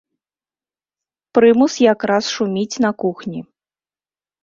Прымус якраз шуміць на кухні.